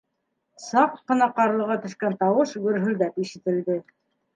Саҡ ҡына ҡарлыға төшкән тауыш гөрһөлдәп ишетелде: